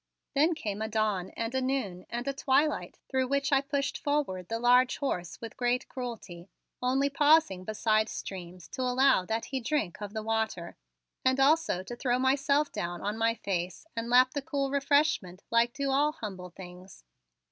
Then came a dawn and a noon and a twilight through which I pushed forward the large horse with great cruelty, only pausing beside streams to allow that he drink of the water and also to throw myself down on my face and lap the cool refreshment like do all humble things.